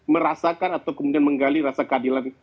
merasakan atau kemudian menggali rasa keadilan